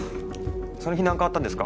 その日何かあったんですか？